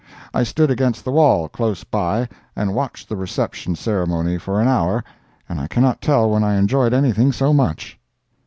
I stood against the wall, close by, and watched the reception ceremony for an hour, and I cannot tell when I enjoyed anything so much.